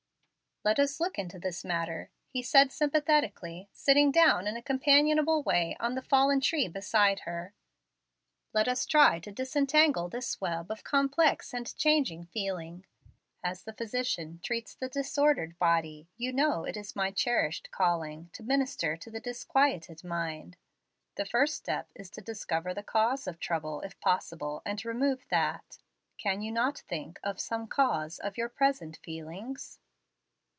"Let us look into this matter," he said, sympathetically, sitting down in a companionable way on the fallen tree beside her. "Let us try to disentangle this web of complex and changing feeling. As the physician treats the disordered body, you know it is my cherished calling to minister to the disquieted mind. The first step is to discover the cause of trouble, if possible, and remove that. Can you not think of some cause of your present feelings?"